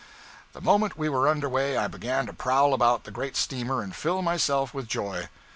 The moment we were under way I began to prowl about the great steamer and fill myself with joy.